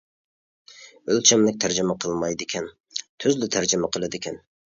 ئۆلچەملىك تەرجىمە قىلمايدىكەن، تۈزلا تەرجىمە قىلىدىكەن.